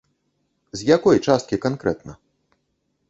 З якой часткі канкрэтна?